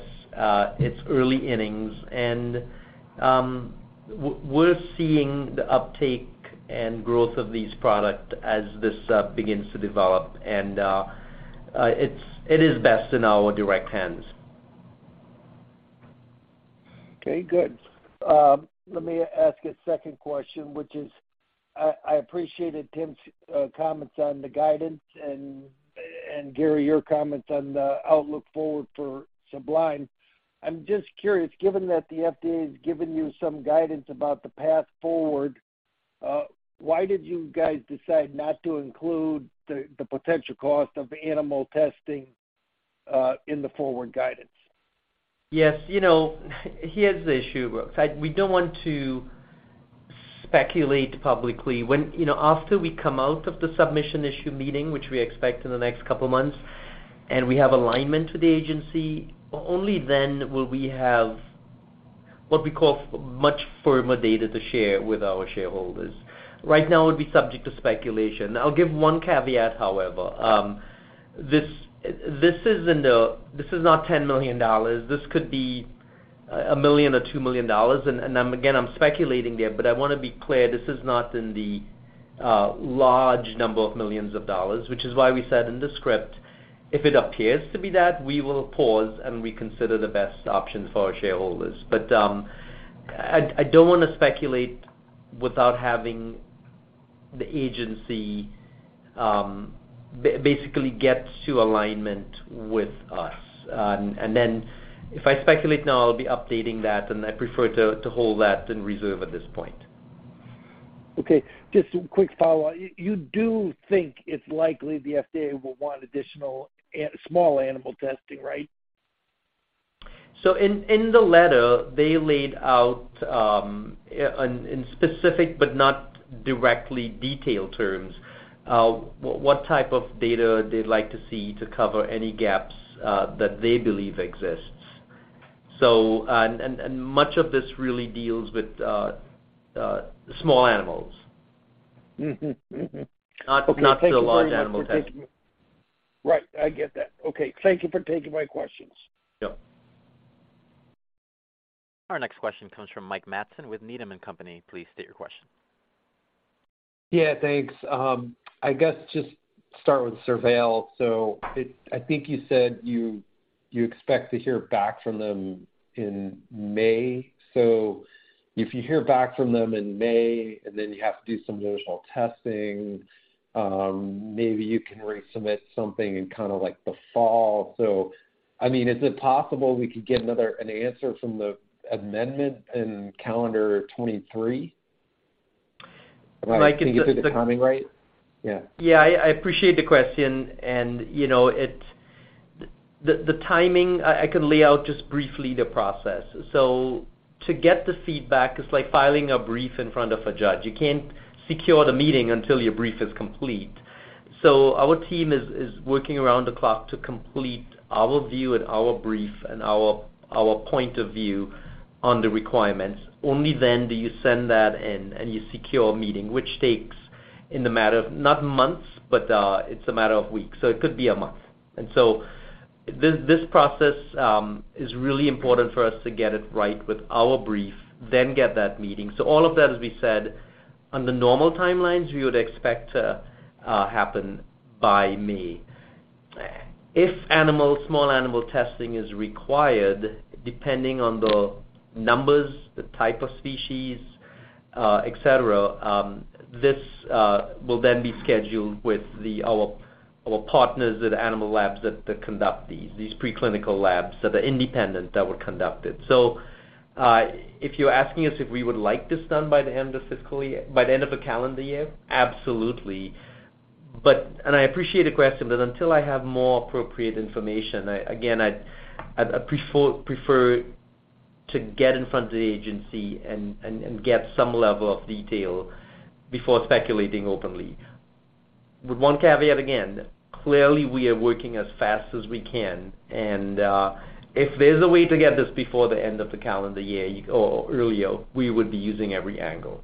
It's early innings and we're seeing the uptake and growth of these product as this begins to develop. It is best in our direct hands. Okay, good. Let me ask a second question, which is, I appreciated Tim's comments on the guidance and Gary, your comments on the outlook forward for Sublime. I'm just curious, given that the FDA has given you some guidance about the path forward, why did you guys decide not to include the potential cost of animal testing in the forward guidance? Yes, you know, here's the issue, Brooks. We don't want to speculate publicly. You know, after we come out of the submission issue meeting, which we expect in the next couple of months, and we have alignment to the agency, only then will we have what we call much firmer data to share with our shareholders. Right now it would be subject to speculation. I'll give one caveat, however. This isn't, this is not $10 million. This could be $1 million or $2 million. I'm, again, speculating there, but I wanna be clear, this is not in the large number of millions of dollars, which is why we said in the script, if it appears to be that, we will pause and reconsider the best option for our shareholders. I don't wanna speculate without having the agency basically get to alignment with us. If I speculate now, I'll be updating that, and I prefer to hold that in reserve at this point. Okay. Just a quick follow-up. You do think it's likely the FDA will want additional small animal testing, right? In the letter, they laid out in specific but not directly detailed terms, what type of data they'd like to see to cover any gaps that they believe exists. Much of this really deals with small animals. Mm-hmm. Mm-hmm. Not so large animal testing. Right. I get that. Okay. Thank you for taking my questions. Yep. Our next question comes from Mike Matson with Needham and Company. Please state your question. Yeah, thanks. I guess just start with SurVeil. I think you said you expect to hear back from them in May. If you hear back from them in May, and then you have to do some additional testing, maybe you can resubmit something in kinda like the fall. I mean, is it possible we could get an answer from the amendment in calendar 2023? Mike, it's just. If I can get the timing right? Yeah. Yeah, I appreciate the question and, you know, it's. The timing, I can lay out just briefly the process. To get the feedback, it's like filing a brief in front of a judge. You can't secure the meeting until your brief is complete. Our team is working around the clock to complete our view and our brief and our point of view on the requirements. Only then do you send that in and you secure a meeting, which takes in the matter of not months, but it's a matter of weeks. It could be a month. This process is really important for us to get it right with our brief, then get that meeting. All of that, as we said, on the normal timelines, we would expect to happen by May. If animal, small animal testing is required, depending on the numbers, the type of species, et cetera, this will then be scheduled with our partners at animal labs that conduct these preclinical labs that are independent, that would conduct it. If you're asking us if we would like this done by the end of fiscal year, by the end of the calendar year, absolutely. I appreciate the question, but until I have more appropriate information, again, I'd prefer to get in front of the agency and get some level of detail before speculating openly. With one caveat, again, clearly, we are working as fast as we can. If there's a way to get this before the end of the calendar year or earlier, we would be using every angle.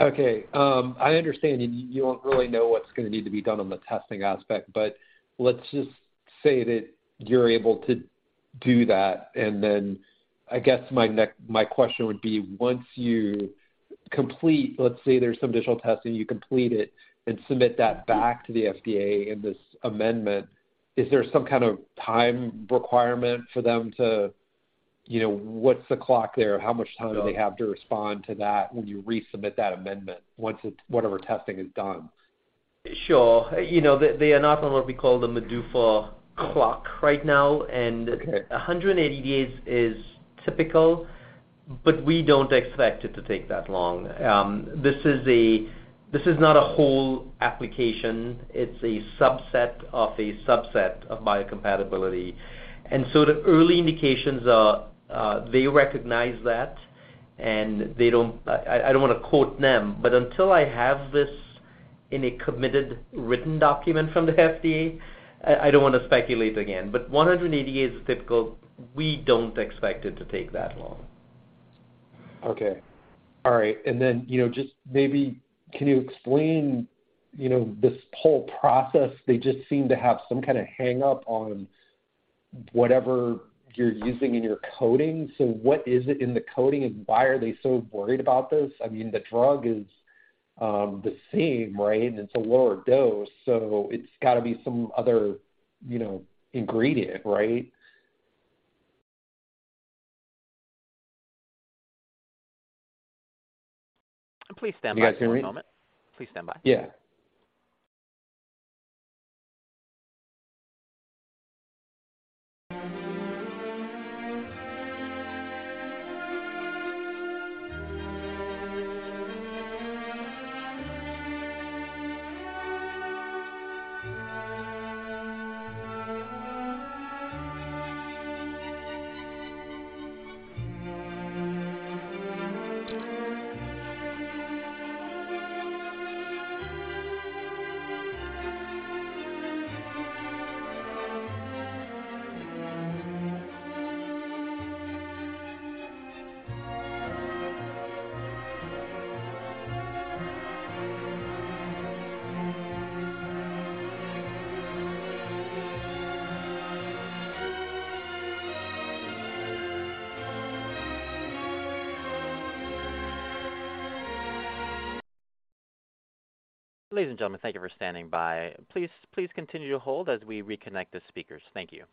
Okay. I understand you don't really know what's gonna need to be done on the testing aspect, but let's just say that you're able to do that. I guess my question would be, once you complete, let's say there's some additional testing, you complete it and submit that back to the FDA in this amendment, is there some kind of time requirement for them to, you know... What's the clock there? How much time- No. Do they have to respond to that when you resubmit that amendment, once whatever testing is done? Sure. You know, they are not on what we call the MDUFA clock right now. Okay. 180 days is typical, but we don't expect it to take that long. This is not a whole application. It's a subset of a subset of biocompatibility. The early indications are they recognize that, and they don't I don't wanna quote them, but until I have this in a committed written document from the FDA, I don't wanna speculate again. 180 days is typical. We don't expect it to take that long. Okay. All right. You know, just maybe can you explain, you know, this whole process? They just seem to have some kinda hang-up on whatever you're using in your coating. What is it in the coating, and why are they so worried about this? I mean, the drug is the same, right? It's a lower dose, so it's gotta be some other, you know, ingredient, right? Please stand by for one moment. You guys can hear me? Please stand by. Yeah. Ladies and gentlemen, thank you for standing by. Please continue to hold as we reconnect the speakers. Thank you.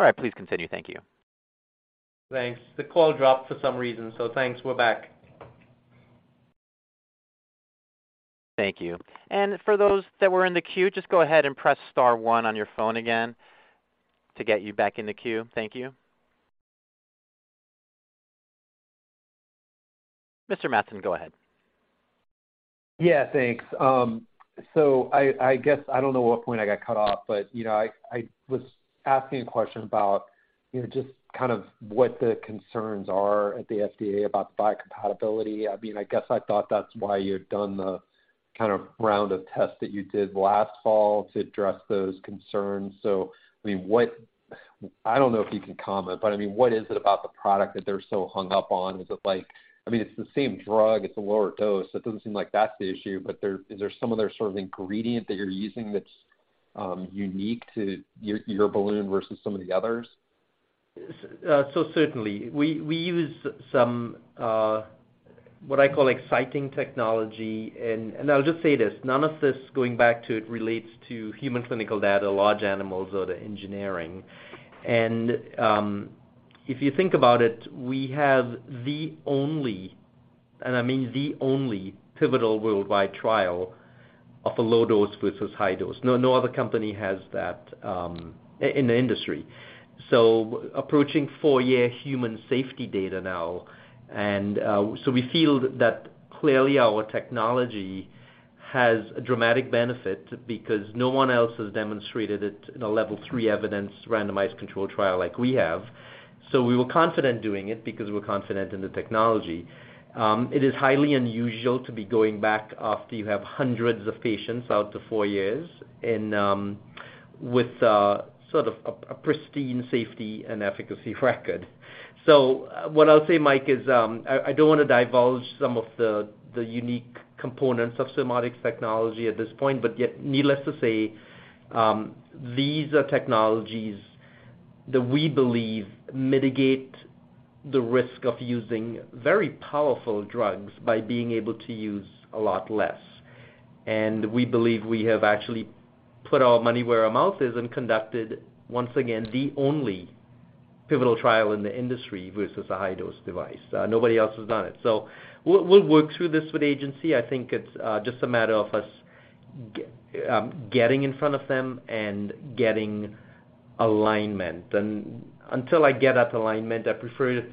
All right. Please continue. Thank you. Thanks. The call dropped for some reason, thanks. We're back. Thank you. For those that were in the queue, just go ahead and press star one on your phone again to get you back in the queue. Thank you. Mr. Matson, go ahead. Yeah, thanks. So I guess I don't know what point I got cut off, but, you know, I was asking a question about, you know, just kind of what the concerns are at the FDA about biocompatibility. I mean, I guess I thought that's why you had done the kind of round of tests that you did last fall to address those concerns. I mean, I don't know if you can comment, but I mean, what is it about the product that they're so hung up on? I mean, it's the same drug. It's a lower dose. It doesn't seem like that's the issue, but is there some other sort of ingredient that you're using that's unique to your balloon versus some of the others? Certainly. We use some what I call exciting technology. I'll just say this, none of this going back to it relates to human clinical data, large animals or the engineering. If you think about it, we have the only, and I mean the only, pivotal worldwide trial of a low dose versus high dose. No other company has that in the industry. Approaching four-year human safety data now. We feel that clearly our technology has a dramatic benefit because no one else has demonstrated it in a level three evidence randomized controlled trial like we have. We were confident doing it because we're confident in the technology. It is highly unusual to be going back after you have hundreds of patients out to four years and, with sort of a pristine safety and efficacy record. What I'll say, Mike, is I don't wanna divulge some of the unique components of Surmodics technology at this point, but yet needless to say, these are technologies that we believe mitigate the risk of using very powerful drugs by being able to use a lot less. We believe we have actually put our money where our mouth is and conducted, once again, the only pivotal trial in the industry versus a high-dose device. Nobody else has done it. We'll work through this with the agency. I think it's just a matter of us getting in front of them and getting alignment. Until I get that alignment, I prefer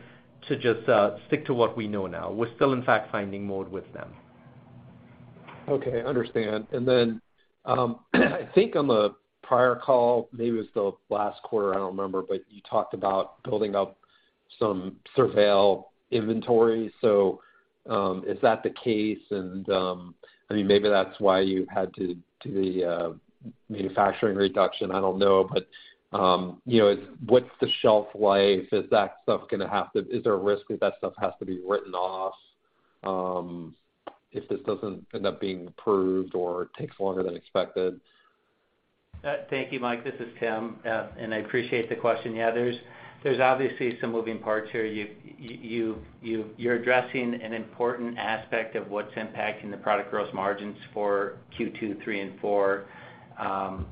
to just stick to what we know now. We're still in fact finding more with them. Okay, I understand. I think on the prior call, maybe it was the last quarter, I don't remember, but you talked about building up some SurVeil inventory. Is that the case? I mean, maybe that's why you had to do the manufacturing reduction. I don't know. You know, what's the shelf life? Is there a risk that that stuff has to be written off if this doesn't end up being approved or takes longer than expected? Thank you, Mike. This is Tim, and I appreciate the question. Yeah, there's obviously some moving parts here. You're addressing an important aspect of what's impacting the product gross margins forQ2, Q3, and Q4.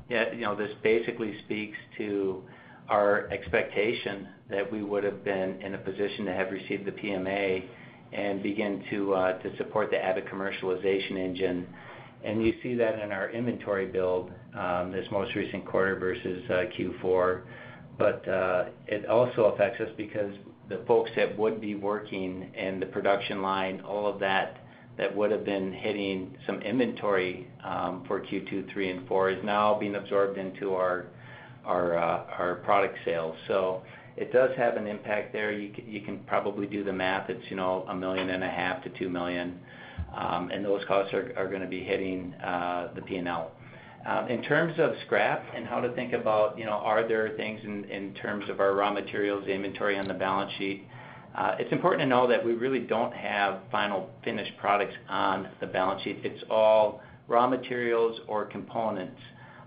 Yeah, you know, this basically speaks to our expectation that we would have been in a position to have received the PMA and begin to support the Abbott commercialization engine. You see that in our inventory build, this most recent quarter versus Q4. It also affects us because the folks that would be working in the production line, all of that would have been hitting some inventory, for Q2, Q3, and Q4, is now being absorbed into our product sales. It does have an impact there. You can probably do the math. It's $1.5 million-$2 million, and those costs are gonna be hitting the P&L. In terms of scrap and how to think about, are there things in terms of our raw materials inventory on the balance sheet, it's important to know that we really don't have final finished products on the balance sheet. It's all raw materials or components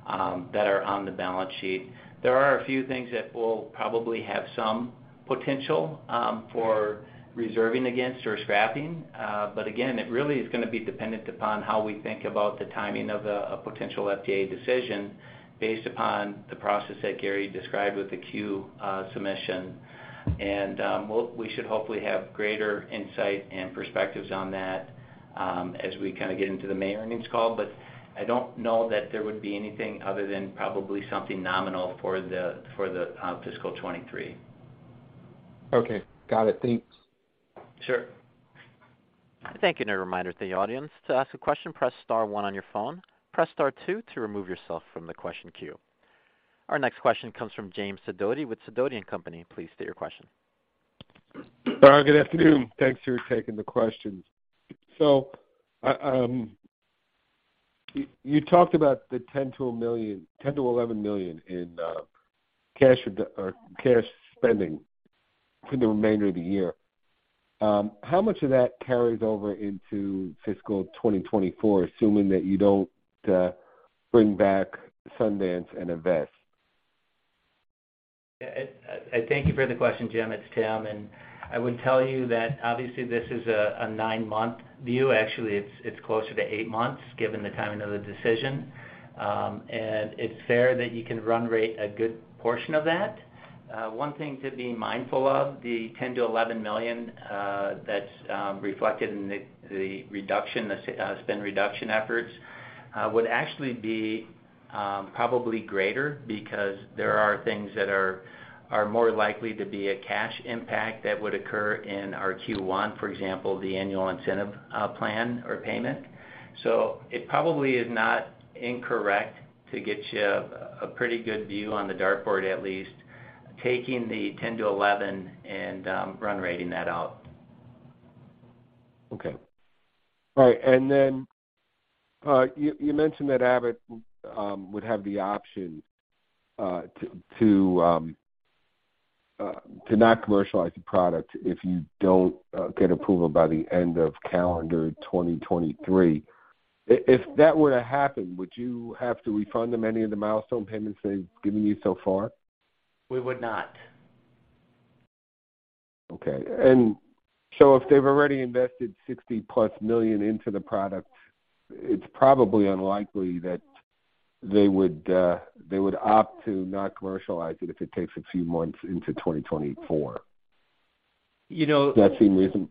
that are on the balance sheet. There are a few things that will probably have some potential for reserving against or scrapping. But again, it really is gonna be dependent upon how we think about the timing of a potential FDA decision based upon the process that Gary described with the Q-Submission. We should hopefully have greater insight and perspectives on that as we kinda get into the May earnings call. I don't know that there would be anything other than probably something nominal for the fiscal 2023. Okay. Got it. Thanks. Sure. Thank you. A reminder to the audience, to ask a question, press star one on your phone. Press star two to remove yourself from the question queue. Our next question comes from James Sidoti with Sidoti & Company. Please state your question. Good afternoon. Thanks for taking the questions. You talked about the $10 to $11 million in cash spending for the remainder of the year. How much of that carries over into fiscal 2024, assuming that you don't bring back Sundance and Avess? Yeah, I thank you for the question, Jim. It's Tim. I would tell you that obviously this is a nine-month view. Actually, it's closer to 8 months given the timing of the decision. It's fair that you can run rate a good portion of that. One thing to be mindful of, the $10 million-$11 million that's reflected in the spend reduction efforts would actually be probably greater because there are things that are more likely to be a cash impact that would occur in our first quarter, for example, the annual incentive plan or payment. It probably is not incorrect to get you a pretty good view on the dartboard, at least taking the $10 million-$11 million and run rating that out. Okay. All right. You mentioned that Abbott would have the option to not commercialize the product if you don't get approval by the end of calendar 2023. If that were to happen, would you have to refund them any of the milestone payments they've given you so far? We would not. Okay. If they've already invested $60+ million into the product, it's probably unlikely that they would opt to not commercialize it if it takes a few months into 2024. You know. That seem reasonable?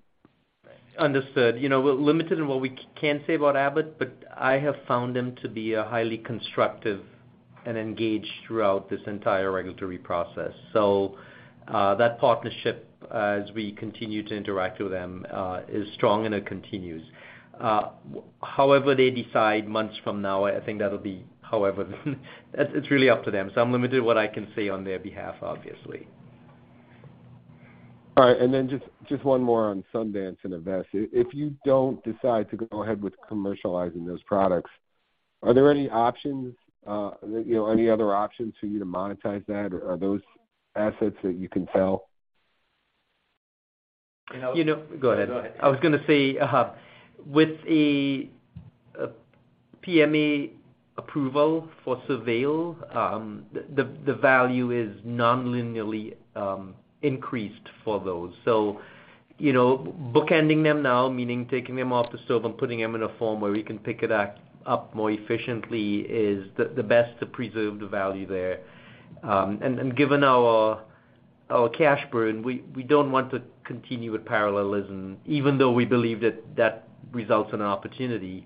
Understood. You know, we're limited in what we can say about Abbott, but I have found them to be highly constructive and engaged throughout this entire regulatory process. That partnership, as we continue to interact with them, is strong and it continues. However they decide months from now, I think that'll be however then. It's really up to them, so I'm limited what I can say on their behalf, obviously. All right. Then just one more on Sundance and Avess. If you don't decide to go ahead with commercializing those products, are there any options, you know, any other options for you to monetize that, or are those assets that you can sell? You know. Go ahead. I was gonna say, with a PMA approval for SurVeil, the value is non-linearly increased for those. You know, bookending them now, meaning taking them off the stove and putting them in a form where we can pick it up more efficiently is the best to preserve the value there. Given our cash burn, we don't want to continue with parallelism, even though we believe that results in an opportunity.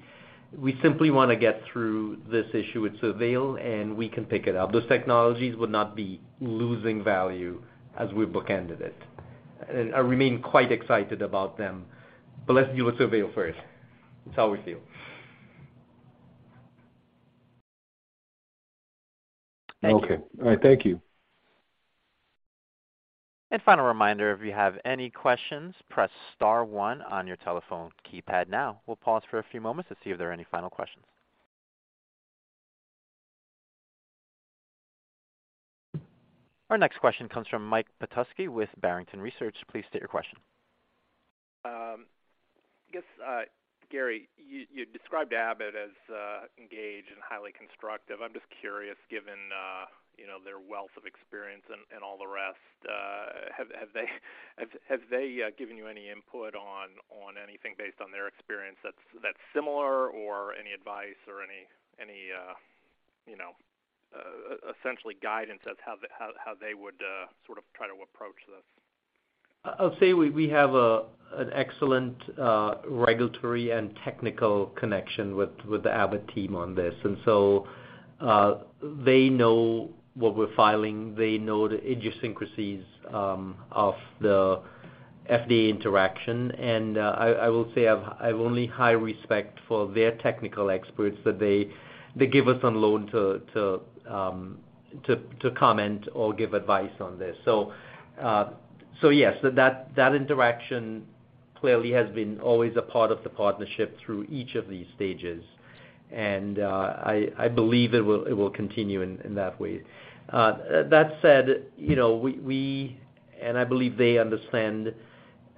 We simply wanna get through this issue with SurVeil, and we can pick it up. Those technologies would not be losing value as we bookended it. I remain quite excited about them. Let's deal with SurVeil first. It's how we feel. Thank you. Okay. All right. Thank you. Final reminder, if you have any questions, press star one on your telephone keypad now. We'll pause for a few moments to see if there are any final questions. Our next question comes from Michael Petusky with Barrington Research. Please state your question. I guess, Gary, you described Abbott as engaged and highly constructive. I'm just curious, given, you know, their wealth of experience and all the rest, have they given you any input on anything based on their experience that's similar or any advice or any, you know, essentially guidance as how they would sort of try to approach this? I'll say we have an excellent regulatory and technical connection with the Abbott team on this. They know what we're filing. They know the idiosyncrasies of the FDA interaction. I will say I've only high respect for their technical experts that they give us on loan to comment or give advice on this. Yes, that interaction clearly has been always a part of the partnership through each of these stages. I believe it will continue in that way. That said, you know, we, and I believe they understand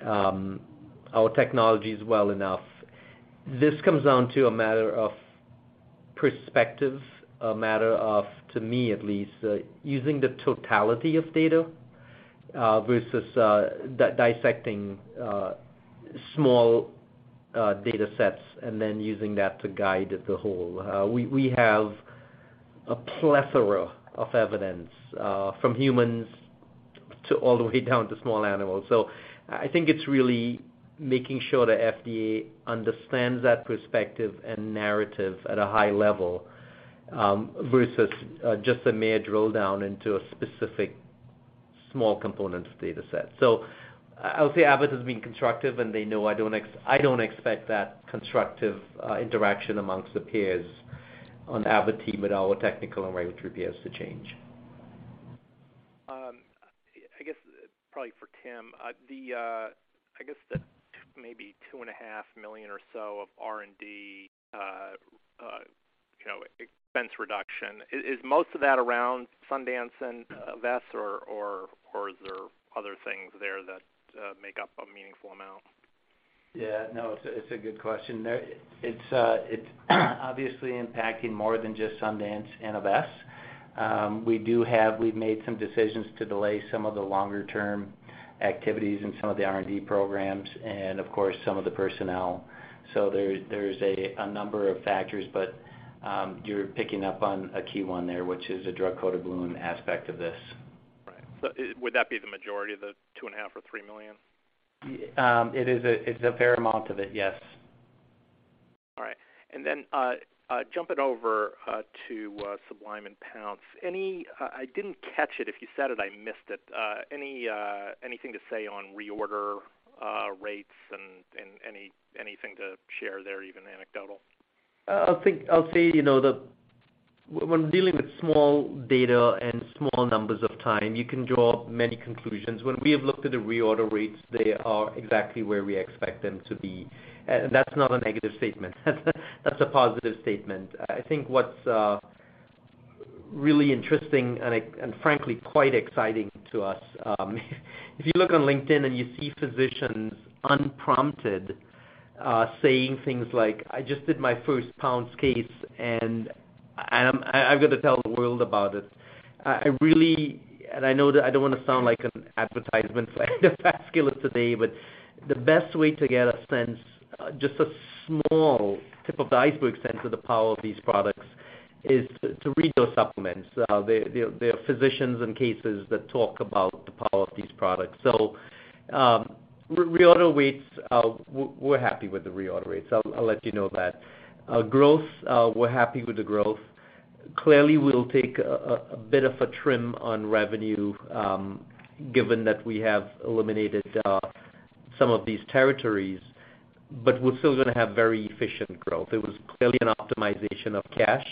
our technologies well enough. This comes down to a matter of perspective, a matter of, to me at least, using the totality of data versus dissecting small datasets and then using that to guide the whole. We have a plethora of evidence from humans to all the way down to small animals. I think it's really making sure the FDA understands that perspective and narrative at a high level versus just a mere drill down into a specific small component of dataset. I'll say Abbott has been constructive, and they know I don't expect that constructive interaction amongst the peers on the Abbott team with our technical and regulatory peers to change. I guess probably for Tim, the, I guess the maybe two and a half million or so of R&D, you know, expense reduction, is most of that around Sundance and Avess, or is there other things there that make up a meaningful amount? Yeah. No, it's a good question. There, it's obviously impacting more than just Sundance and Avess. We've made some decisions to delay some of the longer term activities in some of the R&D programs and of course, some of the personnel. There's a number of factors, but you're picking up on a key one there, which is a drug-coated balloon aspect of this. Right. Would that be the majority of the $2.5 or $3 million? It's a fair amount of it, yes. All right. Then jumping over to Sublime and Pounce. Any, I didn't catch it. If you said it, I missed it. Any anything to say on reorder rates and anything to share there, even anecdotal? I'll think, I'll say, you know, when dealing with small data and small numbers of time, you can draw many conclusions. When we have looked at the reorder rates, they are exactly where we expect them to be. That's not a negative statement. That's a positive statement. I think what's really interesting and frankly, quite exciting to us, if you look on LinkedIn and you see physicians unprompted, saying things like, "I just did my first Pounce case, and I've got to tell the world about it." I really. I know that I don't wanna sound like an advertisement for AngioDynamics today, but the best way to get a sense, just a small tip of the iceberg sense of the power of these products, is to read those supplements. They are physicians and cases that talk about the power of these products. Reorder rates, we're happy with the reorder rates. I'll let you know that. Growth, we're happy with the growth. Clearly, we'll take a bit of a trim on revenue, given that we have eliminated some of these territories, but we're still gonna have very efficient growth. It was clearly an optimization of cash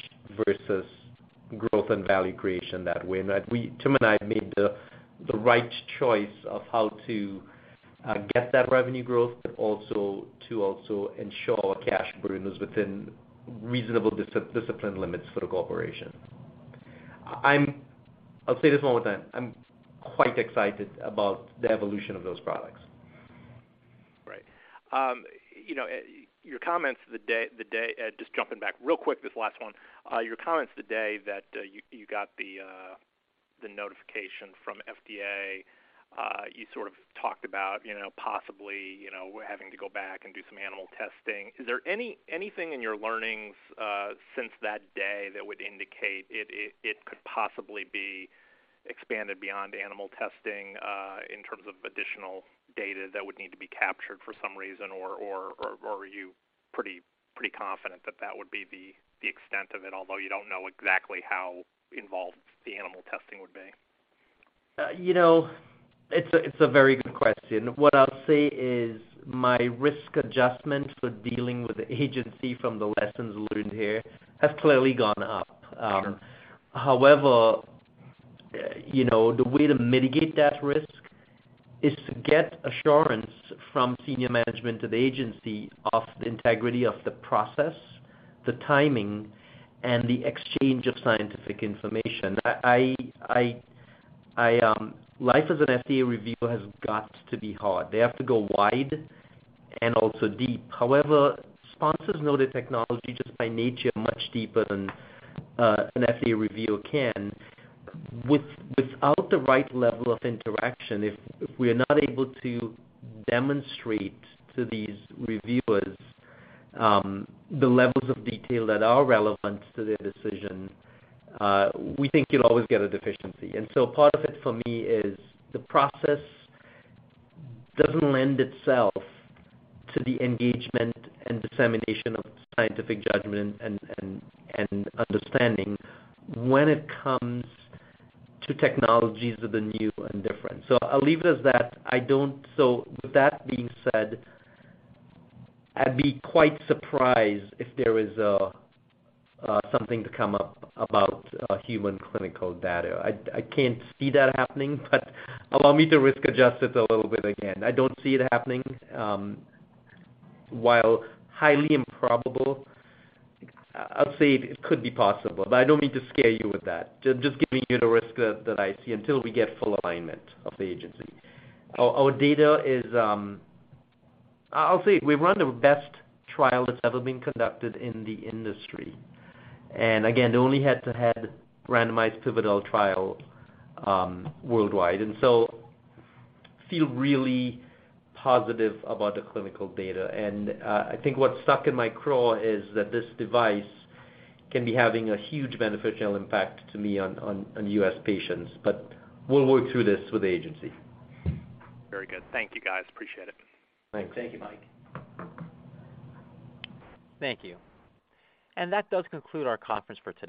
versus growth and value creation that way. That we, Tim and I have made the right choice of how to get that revenue growth, but also to also ensure our cash burn is within reasonable discipline limits for the corporation. I'll say this one more time. I'm quite excited about the evolution of those products. Right. You know, your comments the day, just jumping back real quick, this last one. Your comments the day that you got the notification from FDA, you sort of talked about, you know, possibly, you know, having to go back and do some animal testing. Is there anything in your learnings since that day that would indicate it could possibly be expanded beyond animal testing in terms of additional data that would need to be captured for some reason? Or are you pretty confident that that would be the extent of it, although you don't know exactly how involved the animal testing would be? You know, it's a very good question. What I'll say is my risk adjustment for dealing with the Agency from the lessons learned here have clearly gone up. You know, the way to mitigate that risk is to get assurance from senior management of the Agency of the integrity of the process, the timing, and the exchange of scientific information. I, life as an FDA reviewer has got to be hard. They have to go wide and also deep. Sponsors know the technology just by nature much deeper than an FDA reviewer can. Without the right level of interaction, if we're not able to demonstrate to these reviewers, the levels of detail that are relevant to their decision, we think you'll always get a deficiency. Part of it for me is the process doesn't lend itself to the engagement and dissemination of scientific judgment and understanding when it comes to technologies that are new and different. I'll leave it as that. With that being said, I'd be quite surprised if there is something to come up about human clinical data. I can't see that happening, but allow me to risk adjust it a little bit again. I don't see it happening. While highly improbable, I'll say it could be possible, but I don't mean to scare you with that. Just giving you the risk that I see until we get full alignment of the agency. Our data is. I'll say we run the best trial that's ever been conducted in the industry. Again, the only head-to-head randomized pivotal trial, worldwide. Feel really positive about the clinical data. I think what's stuck in my craw is that this device can be having a huge beneficial impact to me on U.S. patients, but we'll work through this with the agency. Very good. Thank you, guys. Appreciate it. Thanks. Thank you, Mike. Thank you. That does conclude our conference for today.